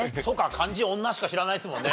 漢字女しか知らないですもんね。